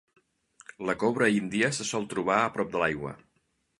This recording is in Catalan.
La cobra índia se sol trobar a prop de l'aigua.